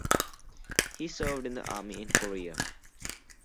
He served in the Army in Korea.